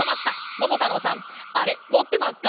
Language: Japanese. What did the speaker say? ももたろうさんあれもってますか？